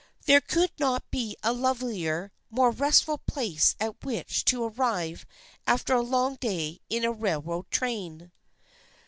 There could not be a lovelier, more restful place at which to arrive after a long day in a railroad train.